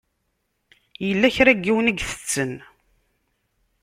Yella kra n yiwen i itetten.